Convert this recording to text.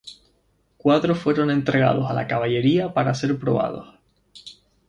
Cuatro fueron entregados a la Caballería para ser probados.